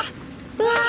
うわ！